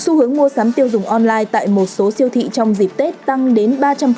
xu hướng mua sắm tiêu dùng online tại một số siêu thị trong dịp tết tăng đến ba trăm linh